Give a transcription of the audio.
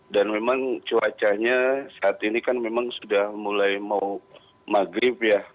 dan memang cuacanya saat ini kan memang sudah mulai mau maghrib ya